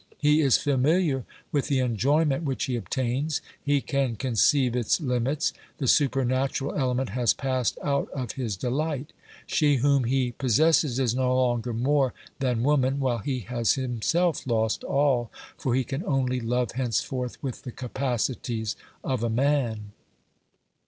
He is familiar with the enjoyment which he obtains ; he can conceive its limits ; the supernatural element has passed out of his delight ; she whom he possesses is no longer more than woman, while he has himself lost all, for he can only love henceforth with the capacities of a man.